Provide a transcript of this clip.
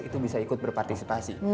itu bisa ikut berpartisipasi